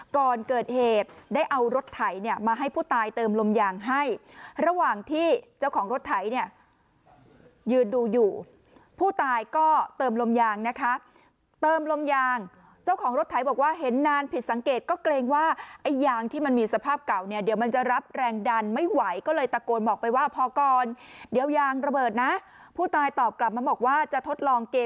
ก่อนเกิดเหตุได้เอารถไถเนี่ยมาให้ผู้ตายเติมลมยางให้ระหว่างที่เจ้าของรถไถเนี่ยยืนดูอยู่ผู้ตายก็เติมลมยางนะคะเติมลมยางเจ้าของรถไถบอกว่าเห็นนานผิดสังเกตก็เกรงว่าไอ้ยางที่มันมีสภาพเก่าเนี่ยเดี๋ยวมันจะรับแรงดันไม่ไหวก็เลยตะโกนบอกไปว่าพอก่อนเดี๋ยวยางระเบิดนะผู้ตายตอบกลับมาบอกว่าจะทดลองเก